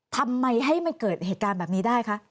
ทำไมให้มันเกิดเหตุการณ์แบบนี้ได้คะ